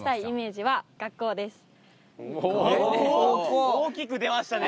そして大きく出ましたね